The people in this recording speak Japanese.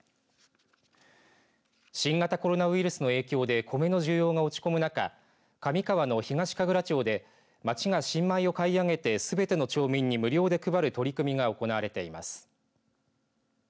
新型コロナウイルスの影響でコメの需要が落ち込む中上川の東神楽町で町が新米を買い上げてすべての町民に無料で配る取り組みが行われています。